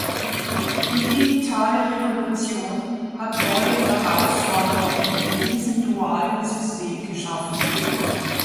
Die digitale Revolution hat neue Herausforderungen in diesem dualen System geschaffen.